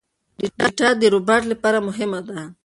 ډاټا د روباټ لپاره مهمه ده.